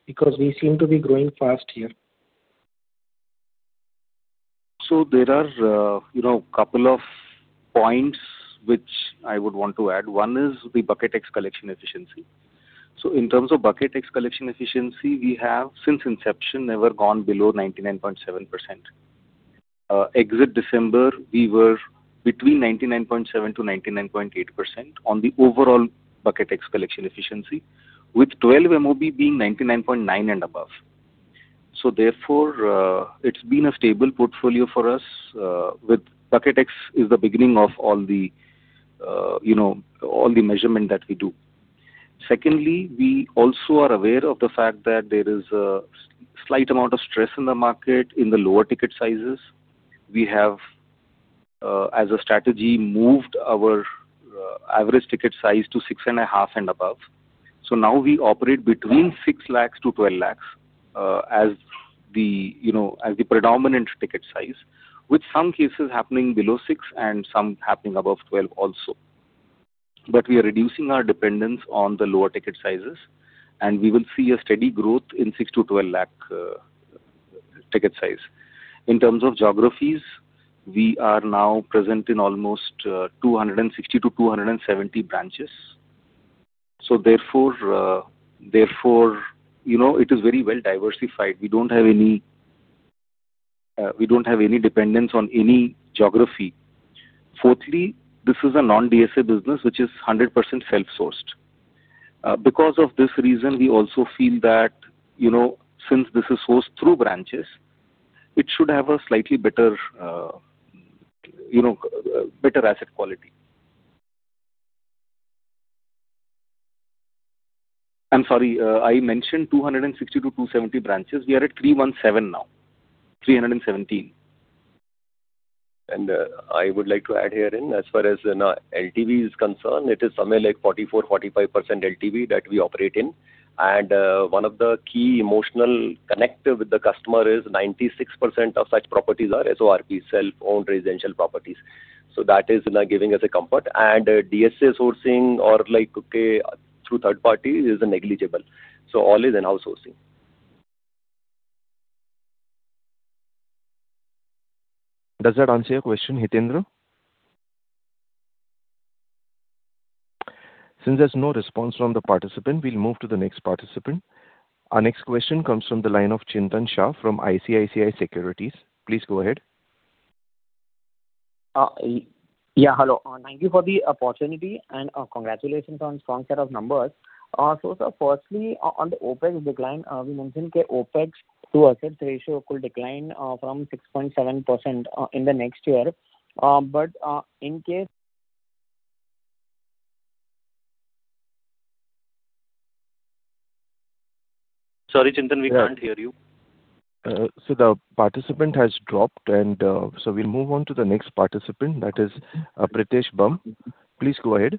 Because we seem to be growing fast here. There are a couple of points which I would want to add. One is the bucket X collection efficiency. In terms of bucket X collection efficiency, we have since inception never gone below 99.7%. Exit December, we were between 99.7%-99.8% on the overall bucket X collection efficiency, with 12 MOB being 99.9% and above. Therefore, it's been a stable portfolio for us, with bucket X is the beginning of all the measurement that we do. Secondly, we also are aware of the fact that there is a slight amount of stress in the market in the lower ticket sizes. We have, as a strategy, moved our average ticket size to 6.5% and above. So now we operate between 6 lakhs to 12 lakhs as the predominant ticket size, with some cases happening below six and some happening above 12 also. But we are reducing our dependence on the lower ticket sizes, and we will see a steady growth in six to 12 lakh ticket size. In terms of geographies, we are now present in almost 260 to 270 branches. So therefore, it is very well diversified. We don't have any dependence on any geography. Fourthly, this is a non-DSA business, which is 100% self-sourced. Because of this reason, we also feel that since this is sourced through branches, it should have a slightly better asset quality. I'm sorry, I mentioned 260-270 branches. We are at 317 now. 317. And I would like to add here in, as far as LTV is concerned, it is somewhere like 44%-45% LTV that we operate in. And one of the key emotional connector with the customer is 96% of such properties are SORP, self-owned residential properties. So that is giving us a comfort. And DSA sourcing or through third parties is negligible. So all is in-house sourcing. Does that answer your question, Hithendra? Since there's no response from the participant, we'll move to the next participant. Our next question comes from the line of Chintan Shah from ICICI Securities. Please go ahead. Yeah, hello. Thank you for the opportunity and congratulations on strong set of numbers. So firstly, on the OPEX decline, we mentioned OPEX to assets ratio could decline from 6.7% in the next year. But in case— Sorry, Chintan, we can't hear you. So the participant has dropped, and so we'll move on to the next participant, that is Pritesh Bumb. Please go ahead.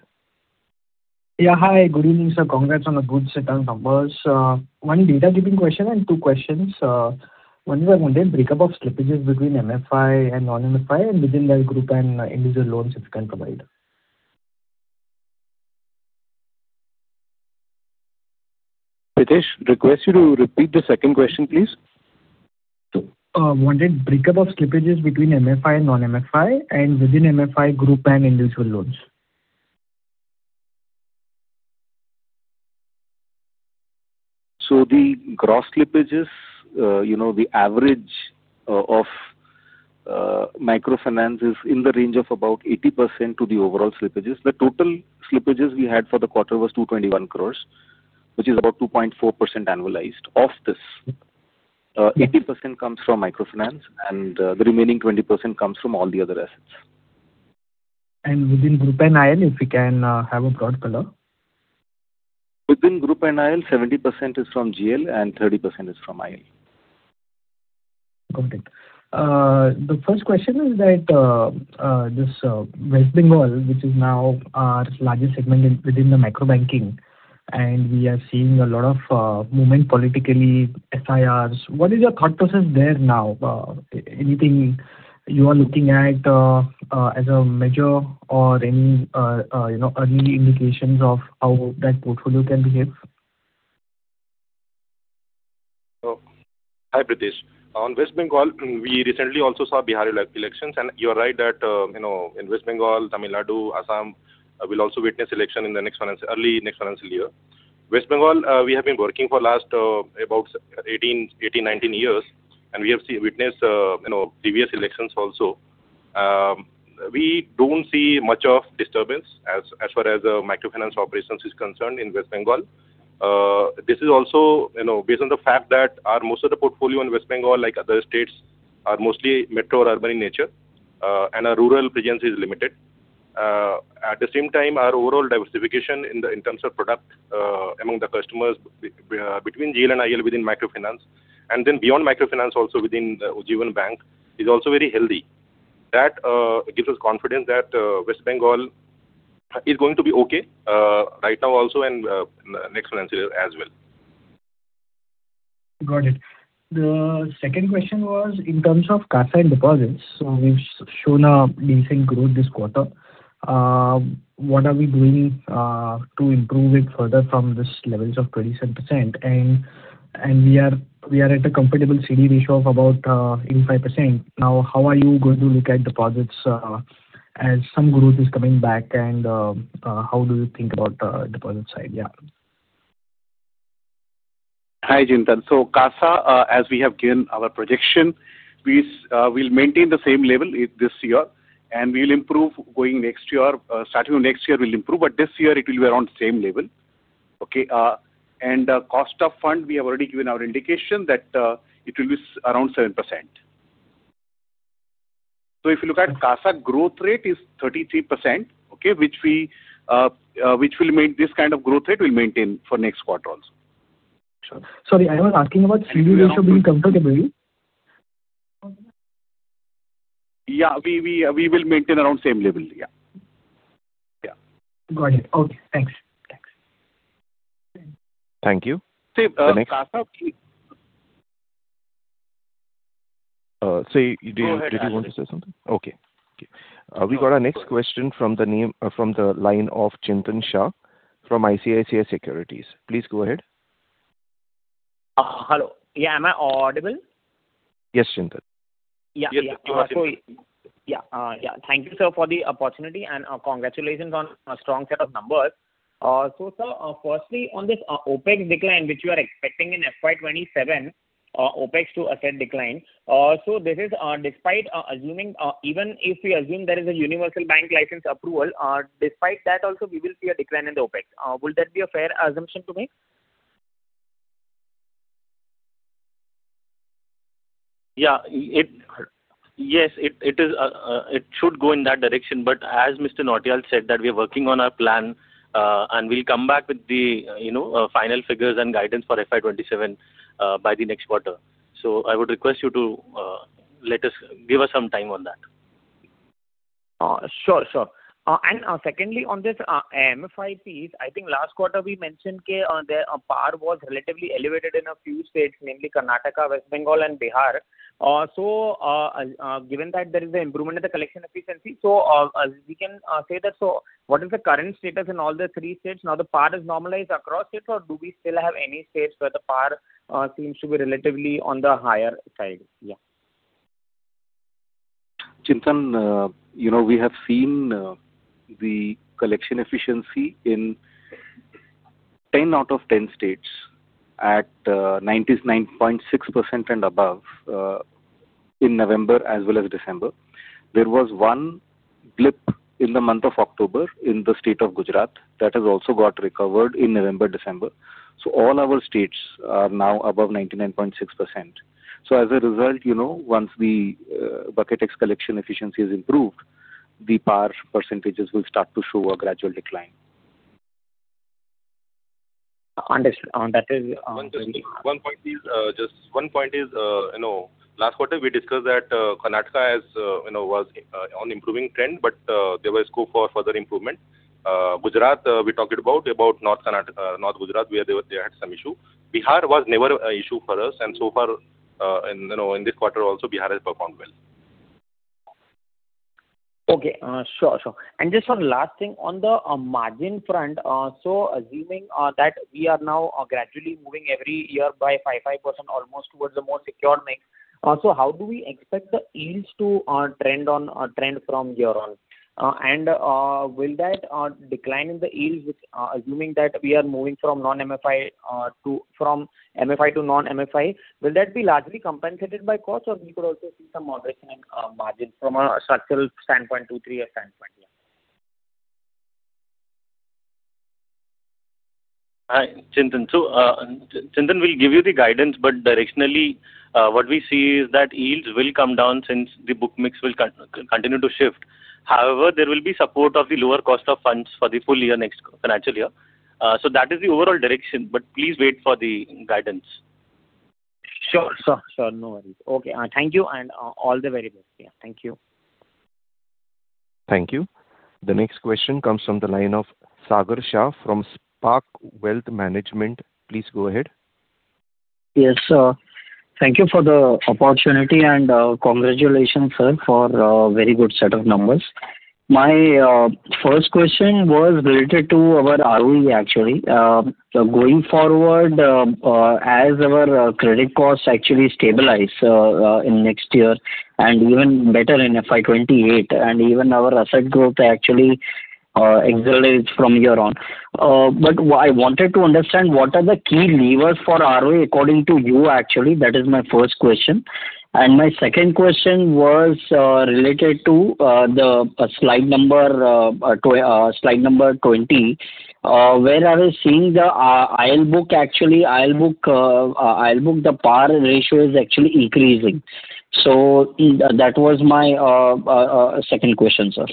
Yeah, hi. Good evening, sir. Congrats on the good set of numbers. One data-driven question and two questions. One is on the breakup of slippages between MFI and non-MFI and within that group and individual loans if you can provide. Pritesh, request you to repeat the second question, please. Wanted breakup of slippages between MFI and non-MFI and within MFI group and individual loans. So the gross slippages, the average of microfinance is in the range of about 80% to the overall slippages. The total slippages we had for the quarter was 221 crores, which is about 2.4% annualized. Of this, 80% comes from microfinance, and the remaining 20% comes from all the other assets. And within group and IL, if we can have a broad color. Within group and IL, 70% is from GL and 30% is from IL. Got it. The first question is that this West Bengal, which is now our largest segment within the microbanking, and we are seeing a lot of movement politically, stirs. What is your thought process there now? Anything you are looking at as a measure or any early indications of how that portfolio can behave? Hi, Pritesh. On West Bengal, we recently also saw Bihar elections, and you are right that in West Bengal, Tamil Nadu, Assam, we'll also witness election in the early next financial year. West Bengal, we have been working for last about 18, 19 years, and we have witnessed previous elections also. We don't see much of disturbance as far as microfinance operations is concerned in West Bengal. This is also based on the fact that most of the portfolio in West Bengal, like other states, are mostly metro or urban in nature, and our rural presence is limited. At the same time, our overall diversification in terms of product among the customers between GL and IL within microfinance, and then beyond microfinance also within Ujjivan Bank is also very healthy. That gives us confidence that West Bengal is going to be okay right now also and next financial year as well. Got it. The second question was in terms of CASA and deposits. So we've shown a decent growth this quarter. What are we doing to improve it further from these levels of 27%? And we are at a comfortable CD ratio of about 25%. Now, how are you going to look at deposits as some growth is coming back, and how do you think about the deposit side? Yeah. Hi, Chintan. So CASA, as we have given our projection, we'll maintain the same level this year, and we'll improve going next year. Starting next year, we'll improve, but this year it will be around the same level. Okay. And cost of funds, we have already given our indication that it will be around 7%. So if you look at CASA growth rate is 33%, which we will maintain this kind of growth rate for next quarter also. Sorry, I was asking about CD ratio being comfortable. Yeah, we will maintain around same level. Yeah. Yeah. Got it. Okay. Thanks. Thanks. Thank you. The next question. So did you want to say something? Okay. We got a next question from the line of Chintan Shah from ICICI Securities. Please go ahead. Hello. Yeah, am I audible? Yes, Chintan. Yeah. Yeah. Thank you, sir, for the opportunity and congratulations on a strong set of numbers. So sir, firstly, on this OPEX decline, which we are expecting in FY27, OPEX to asset decline. So this is despite assuming, even if we assume there is a universal bank license approval, despite that also, we will see a decline in the OPEX. Will that be a fair assumption to me? Yeah. Yes, it should go in that direction. But as Mr. Nautiyal said, that we are working on our plan, and we'll come back with the final figures and guidance for FY27 by the next quarter. So I would request you to give us some time on that. Sure, sure. And secondly, on this MFI piece, I think last quarter we mentioned that PAR was relatively elevated in a few states, namely Karnataka, West Bengal, and Bihar. So given that there is an improvement in the collection efficiency, so we can say that. So what is the current status in all the three states? Now, the PAR has normalized across states, or do we still have any states where the PAR seems to be relatively on the higher side? Yeah. Chintan, we have seen the collection efficiency in 10 out of 10 states at 99.6% and above in November as well as December. There was one blip in the month of October in the state of Gujarat that has also got recovered in November, December. So all our states are now above 99.6%. So as a result, once the bucket X collection efficiency is improved, the PAR percentages will start to show a gradual decline. Understood. And that is one point: last quarter, we discussed that Karnataka was on improving trend, but there was scope for further improvement. Gujarat, we talked about North Gujarat, where they had some issue. Bihar was never an issue for us. And so far, in this quarter also, Bihar has performed well. Okay. Sure, sure. And just one last thing on the margin front. So assuming that we are now gradually moving every year by 5% almost towards the more secure mix, so how do we expect the yields to trend from here on? Will that decline in the yields, assuming that we are moving from MFI to non-MFI, will that be largely compensated by cost, or we could also see some moderation in margin from a structural standpoint, tool-free standpoint? Hi, Chintan. So Chintan will give you the guidance, but directionally, what we see is that yields will come down since the book mix will continue to shift. However, there will be support of the lower cost of funds for the full year next financial year. So that is the overall direction, but please wait for the guidance. Sure, sure, sure. No worries. Okay. Thank you, and all the very best. Yeah. Thank you. Thank you. The next question comes from the line of Sagar Shah from Spark Wealth Management. Please go ahead. Yes, sir. Thank you for the opportunity, and congratulations, sir, for a very good set of numbers. My first question was related to our ROE, actually. Going forward, as our credit costs actually stabilize in next year and even better in FY28, and even our asset growth actually excellent from here on, but I wanted to understand what are the key levers for ROE according to you, actually. That is my first question, and my second question was related to the slide number 20, where I was seeing the IL book, actually, IL book the PAR ratio is actually increasing. So that was my second question, sir,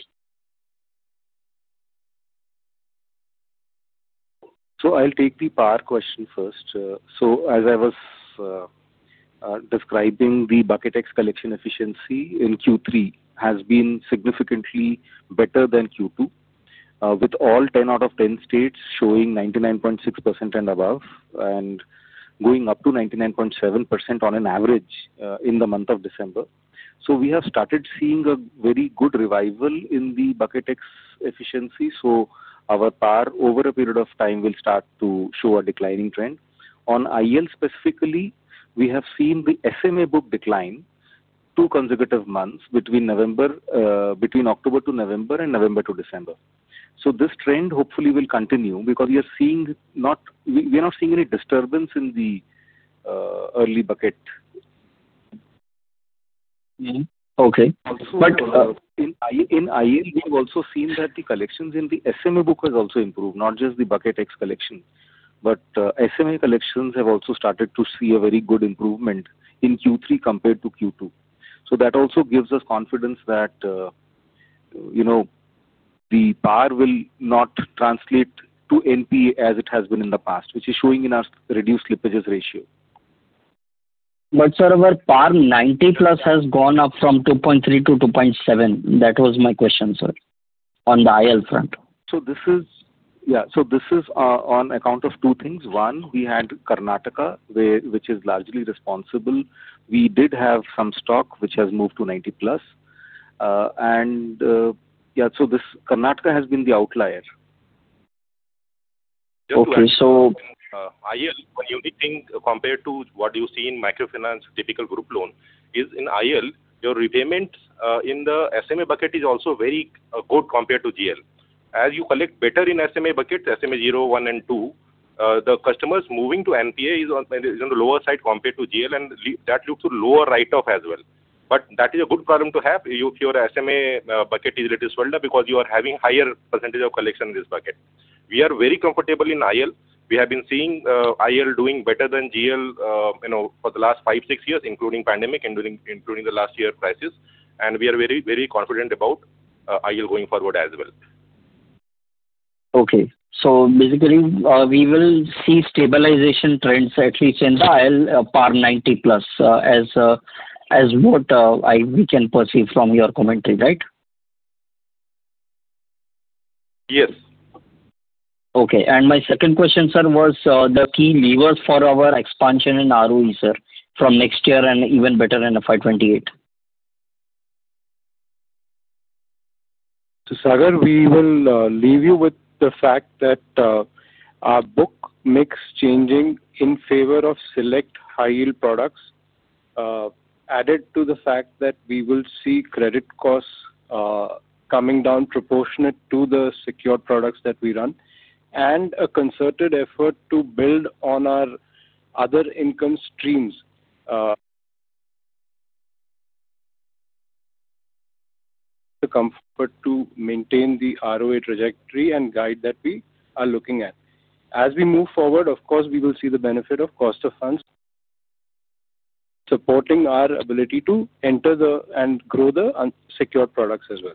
so I'll take the PAR question first. So as I was describing, the BucketEx collection efficiency in Q3 has been significantly better than Q2, with all 10 out of 10 states showing 99.6% and above and going up to 99.7% on an average in the month of December. We have started seeing a very good revival in the bucket X efficiency. Our PAR over a period of time will start to show a declining trend. On IL specifically, we have seen the SMA book decline two consecutive months between October to November and November to December. This trend hopefully will continue because we are not seeing any disturbance in the early bucket. Okay. But in IL, we have also seen that the collections in the SMA book has also improved, not just the bucket X collection, but SMA collections have also started to see a very good improvement in Q3 compared to Q2. That also gives us confidence that the PAR will not translate to NP as it has been in the past, which is showing in our reduced slippages ratio. But sir, our PAR 90 plus has gone up from 2.3 to 2.7. That was my question, sir, on the IL front. So this is yeah. So this is on account of two things. One, we had Karnataka, which is largely responsible. We did have some stock which has moved to 90 plus. And yeah, so this Karnataka has been the outlier. Okay. So IL, one unique thing compared to what you see in microfinance typical group loan is in IL, your repayment in the SMA bucket is also very good compared to GL. As you collect better in SMA buckets, SMA 0, 1, and 2, the customers moving to NPA is on the lower side compared to GL, and that looks to lower write-off as well. But that is a good problem to have if your SMA bucket is reduced further because you are having higher percentage of collection in this bucket. We are very comfortable in IL. We have been seeing IL doing better than GL for the last five, six years, including pandemic, including the last year crisis. And we are very, very confident about IL going forward as well. Okay. So basically, we will see stabilization trends at least in IL, PAR 90 plus as what we can perceive from your commentary, right? Yes. Okay. And my second question, sir, was the key levers for our expansion in ROE, sir, from next year and even better in FY28? Sagar, we will leave you with the fact that our book mix changing in favor of select high-yield products, added to the fact that we will see credit costs coming down proportionate to the secure products that we run, and a concerted effort to build on our other income streams to maintain the ROE trajectory and guide that we are looking at. As we move forward, of course, we will see the benefit of cost of funds supporting our ability to enter the and grow the secure products as well.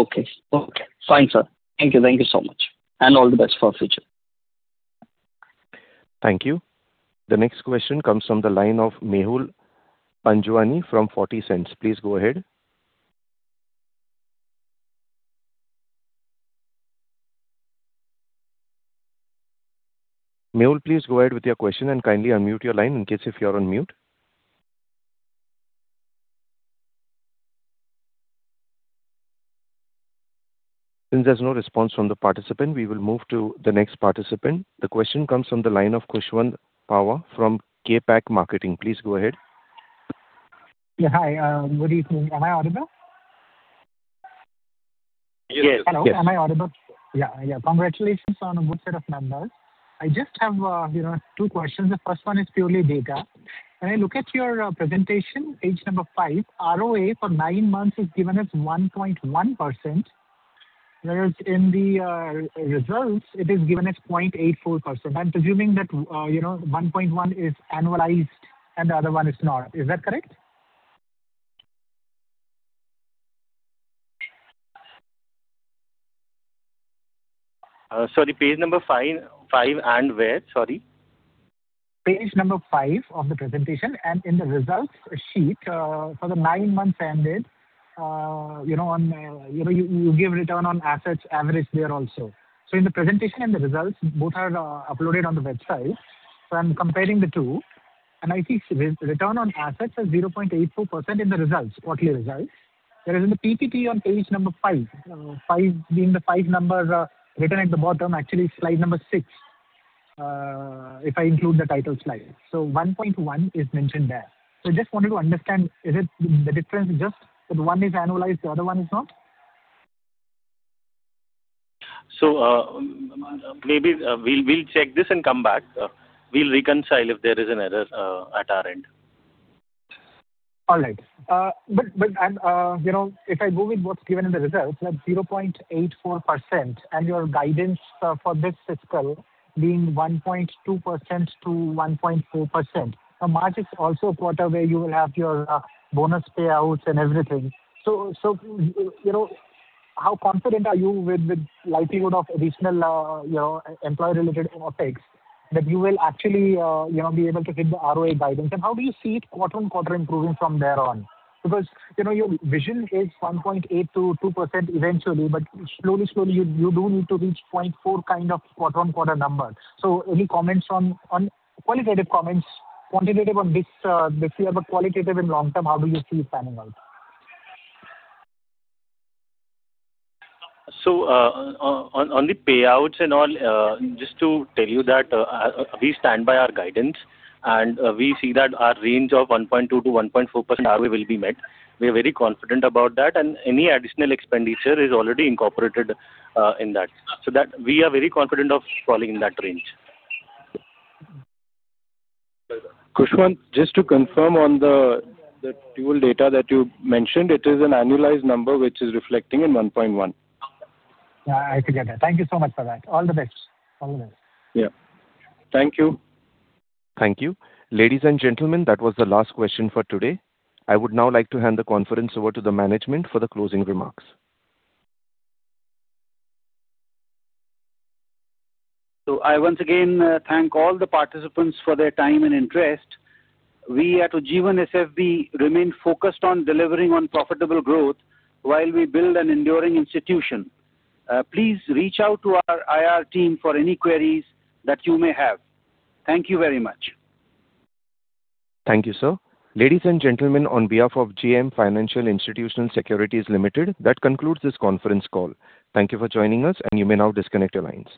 Okay. Okay. Fine, sir. Thank you. Thank you so much. And all the best for future. Thank you. The next question comes from the line of Mehul Anjwani from 40 Cents. Please go ahead. Mehul, please go ahead with your question and kindly unmute your line in case if you're on mute. Since there's no response from the participant, we will move to the next participant. The question comes from the line of Kushwant Pawa from KPAC Marketing. Please go ahead. Yeah. Hi. Good evening. Am I audible? Yes. Yes. Hello. Am I audible? Yeah. Yeah. Congratulations on a good set of numbers. I just have two questions. The first one is purely data. When I look at your presentation, page number 5, ROE for nine months is given as 1.1%, whereas in the results, it is given as 0.84%. I'm presuming that 1.1 is annualized and the other one is not. Is that correct? Sorry, page number 5 and where? Sorry. Page number 5 of the presentation and in the results sheet for the nine months ended, you give return on assets average there also. So in the presentation and the results, both are uploaded on the website. I'm comparing the two. And I see return on assets as 0.84% in the results, quarterly results. Whereas in the PPT on page number 5, 5 being the five number written at the bottom, actually slide number 6, if I include the title slide. So 1.1 is mentioned there. So I just wanted to understand, is it the difference just that one is annualized, the other one is not? So maybe we'll check this and come back. We'll reconcile if there is an error at our end. All right. But if I go with what's given in the results, that's 0.84% and your guidance for this fiscal being 1.2%-1.4%. March is also a quarter where you will have your bonus payouts and everything. So how confident are you with likelihood of additional employee-related effects that you will actually be able to hit the ROE guidance? And how do you see it quarter on quarter improving from there on? Because your vision is 1.8%-2% eventually, but slowly, slowly, you do need to reach 0.4% kind of quarter on quarter number. So any comments on qualitative comments, quantitative on this? If you have a qualitative in long term, how do you see it panning out? So on the payouts and all, just to tell you that we stand by our guidance, and we see that our range of 1.2%-1.4% ROE will be met. We are very confident about that, and any additional expenditure is already incorporated in that. So that we are very confident of falling in that range. Kushwant, just to confirm on the Q4 data that you mentioned, it is an annualized number which is reflecting in 1.1%. Yeah. I figured that. Thank you so much for that. All the best. All the best. Yeah. Thank you. Thank you. Ladies and gentlemen, that was the last question for today. I would now like to hand the conference over to the management for the closing remarks. So I once again thank all the participants for their time and interest. We at Ujjivan SFB remain focused on delivering on profitable growth while we build an enduring institution. Please reach out to our IR team for any queries that yo u may have. Thank you very much. Thank you, sir. Ladies and gentlemen, on behalf of JM Financial Institutional Securities Limited, that concludes this conference call. Thank you for joining us, and you may now disconnect your lines.